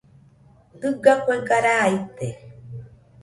Dɨga kuega raa ite.